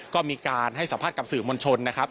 ก็มีการให้สัมภาษณ์กับสื่อมวลชนนะครับ